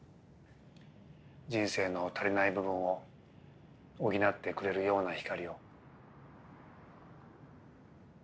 人生の足りない部分を補ってくれるような光を。